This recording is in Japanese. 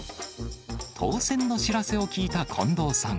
当せんの知らせを聞いた近藤さん。